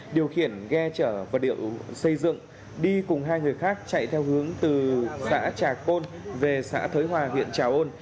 điều khiển ghe chở và điệu xây dựng đi cùng hai người khác chạy theo hướng từ xã trà côn về xã thới hòa huyện trà côn